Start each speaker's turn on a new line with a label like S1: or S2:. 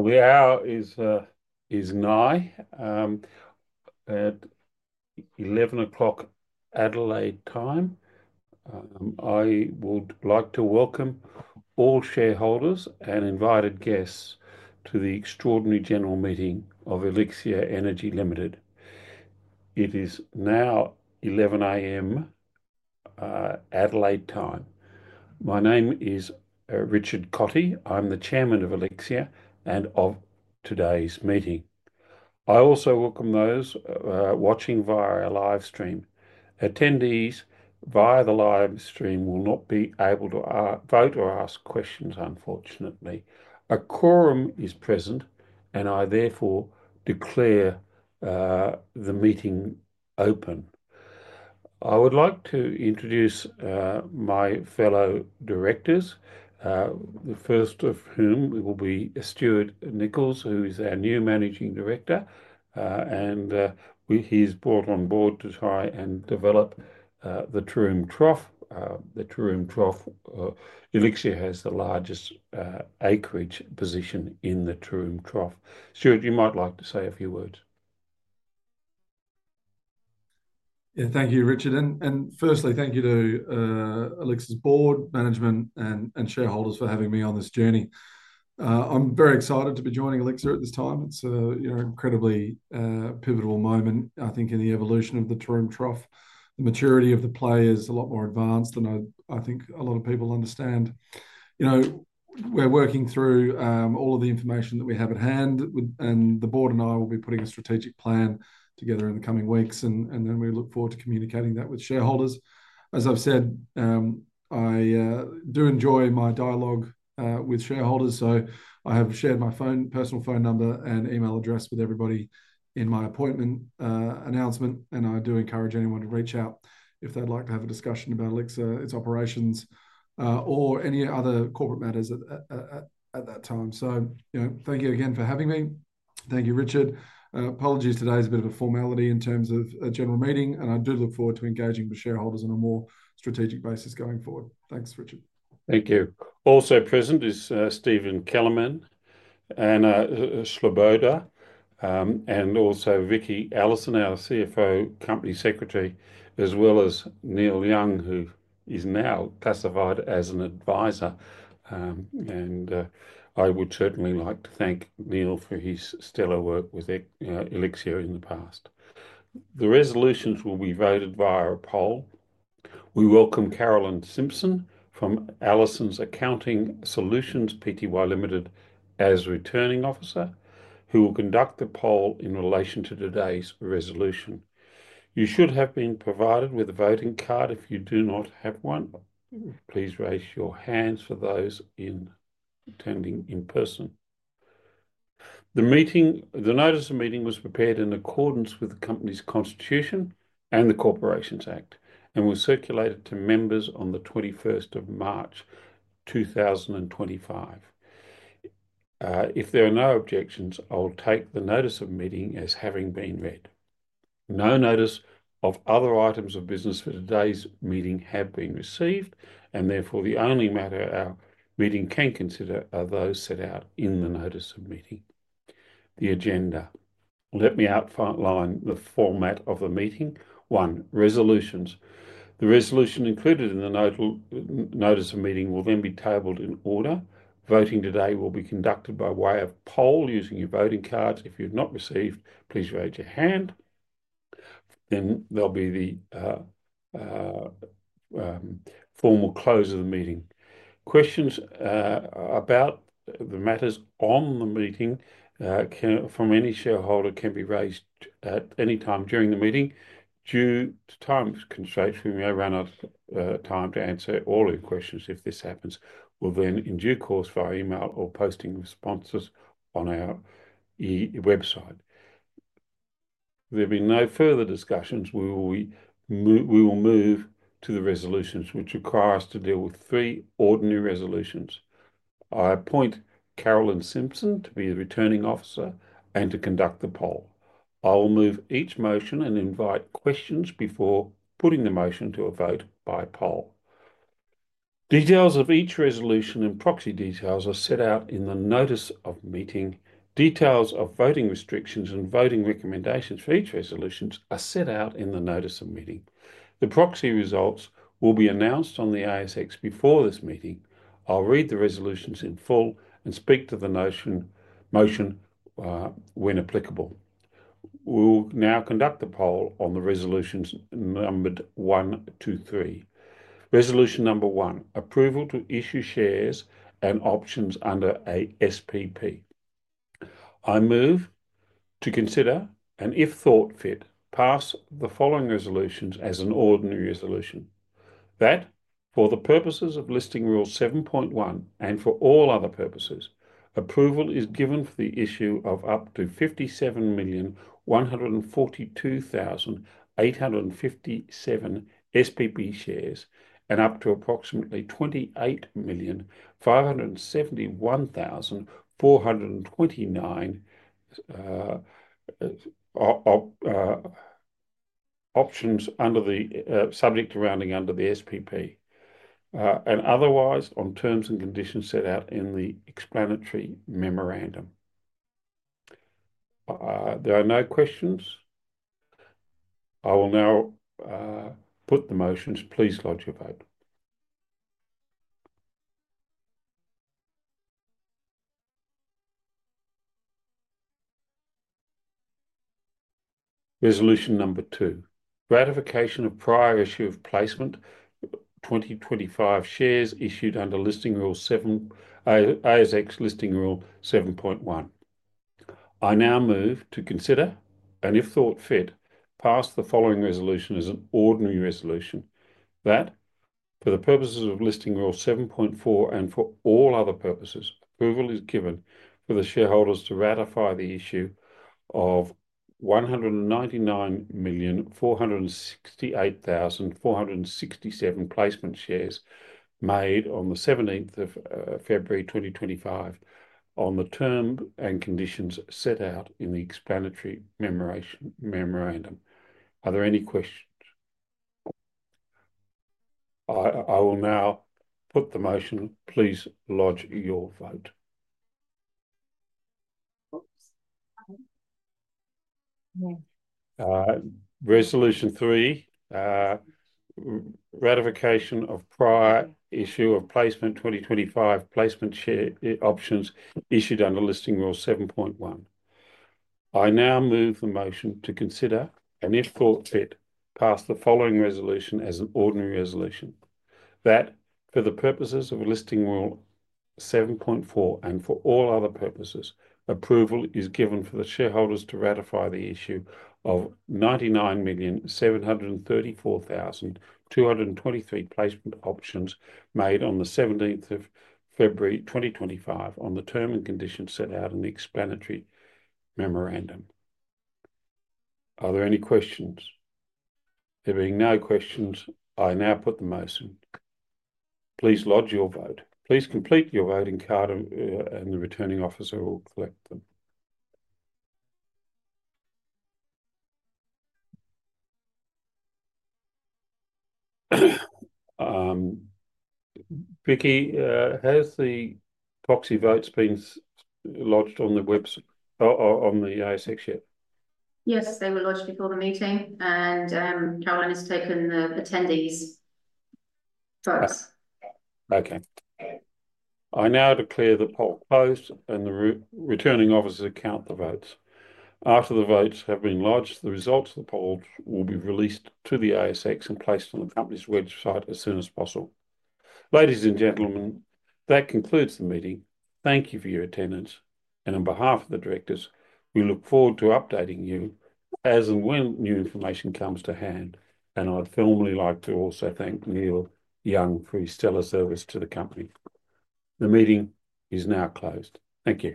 S1: We are at 11:00 A.M. Adelaide time. I would like to welcome all shareholders and invited guests to the extraordinary general meeting of Elixir Energy Limited. It is now 11:00 A.M. Adelaide time. My name is Richard Cottee. I'm the Chairman of Elixir and of today's meeting. I also welcome those watching via a live stream. Attendees via the live stream will not be able to vote or ask questions, unfortunately. A quorum is present, and I therefore declare the meeting open. I would like to introduce my fellow directors, the first of whom will be Stuart Nicholls, who is our new Managing Director, and he's brought on board to try and develop the Taroom Trough. The Taroom Trough, Elixir has the largest acreage position in the Taroom Trough. Stuart, you might like to say a few words.
S2: Yeah, thank you, Richard. Firstly, thank you to Elixir's board, management, and shareholders for having me on this journey. I'm very excited to be joining Elixir at this time. It's an incredibly pivotal moment, I think, in the evolution of the Taroom Trough. The maturity of the play is a lot more advanced than I think a lot of people understand. We're working through all of the information that we have at hand, and the board and I will be putting a strategic plan together in the coming weeks, and we look forward to communicating that with shareholders. As I've said, I do enjoy my dialogue with shareholders, so I have shared my personal phone number and email address with everybody in my appointment announcement, and I do encourage anyone to reach out if they'd like to have a discussion about Elixir, its operations, or any other corporate matters at that time. Thank you again for having me. Thank you, Richard. Apologies, today's a bit of a formality in terms of a general meeting, and I do look forward to engaging with shareholders on a more strategic basis going forward. Thanks, Richard.
S1: Thank you. Also present is Stephen Kelemen and Sloboda, and also Vicki Allison, our CFO, company secretary, as well as Neil Young, who is now classified as an advisor. I would certainly like to thank Neil for his stellar work with Elixir in the past. The resolutions will be voted via a poll. We welcome Carolyn Simpson from Allison's Accounting Solutions, Pty Limited, as returning officer, who will conduct the poll in relation to today's resolution. You should have been provided with a voting card. If you do not have one, please raise your hands for those attending in person. The notice of meeting was prepared in accordance with the company's constitution and the Corporations Act and was circulated to members on the 21st of March, 2025. If there are no objections, I'll take the notice of meeting as having been read. No notice of other items of business for today's meeting have been received, and therefore the only matter our meeting can consider are those set out in the notice of meeting. The agenda. Let me outline the format of the meeting. One, resolutions. The resolution included in the notice of meeting will then be tabled in order. Voting today will be conducted by way of poll using your voting cards. If you've not received, please raise your hand. There will be the formal close of the meeting. Questions about the matters on the meeting from any shareholder can be raised at any time during the meeting. Due to time constraints, we may run out of time to answer all your questions. If this happens, we will then in due course via email or posting responses on our website. There will be no further discussions. We will move to the resolutions, which require us to deal with three ordinary resolutions. I appoint Carolyn Simpson to be the returning officer and to conduct the poll. I will move each motion and invite questions before putting the motion to a vote by poll. Details of each resolution and proxy details are set out in the notice of meeting. Details of voting restrictions and voting recommendations for each resolution are set out in the notice of meeting. The proxy results will be announced on the ASX before this meeting. I'll read the resolutions in full and speak to the motion when applicable. We will now conduct the poll on the resolutions numbered one to three. Resolution number one, approval to issue shares and options under a SPP. I move to consider and, if thought fit, pass the following resolutions as an ordinary resolution. That for the purposes of Listing Rule 7.1 and for all other purposes, approval is given for the issue of up to 57,142,857 SPP shares and up to approximately 28,571,429 options under the subject surrounding under the SPP and otherwise on terms and conditions set out in the explanatory memorandum. There are no questions. I will now put the motions. Please lodge your vote. Resolution number two, ratification of prior issue of placement 2025 shares issued under Listing Rule 7, ASX Listing Rule 7.1. I now move to consider and, if thought fit, pass the following resolution as an ordinary resolution. That for the purposes of Listing Rule 7.4 and for all other purposes, approval is given for the shareholders to ratify the issue of 199,468,467 placement shares made on the 17th of February 2025 on the term and conditions set out in the explanatory memorandum. Are there any questions? I will now put the motion. Please lodge your vote. Resolution three, ratification of prior issue of placement 2025 placement share options issued under Listing Rule 7.1. I now move the motion to consider and, if thought fit, pass the following resolution as an ordinary resolution. That for the purposes of Listing Rule 7.4 and for all other purposes, approval is given for the shareholders to ratify the issue of 99,734,223 placement options made on the 17th of February 2025 on the term and conditions set out in the explanatory memorandum. Are there any questions? There being no questions, I now put the motion. Please lodge your vote. Please complete your voting card and the returning officer will collect them. Vicki, has the proxy votes been lodged on the ASX yet?
S3: Yes, they were lodged before the meeting, and Carolyn has taken the attendees' votes.
S1: Okay. I now declare the poll closed and the returning officer counts the votes. After the votes have been lodged, the results of the poll will be released to the ASX and placed on the company's website as soon as possible. Ladies and gentlemen, that concludes the meeting. Thank you for your attendance. On behalf of the directors, we look forward to updating you as and when new information comes to hand. I would firmly like to also thank Neil Young for his stellar service to the company. The meeting is now closed. Thank you.